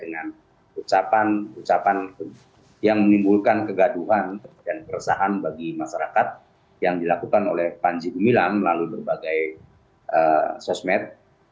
dengan ucapan ucapan yang menimbulkan kegaduhan dan keresahan bagi masyarakat yang dilakukan oleh panji gumilang melalui berbagai sosmed